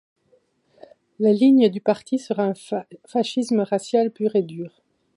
La ligne du parti sera un fascisme racial pur et dur.